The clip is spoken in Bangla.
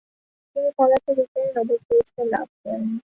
তিনি পদার্থবিজ্ঞানে নোবেল পুরস্কার লাভ করেন।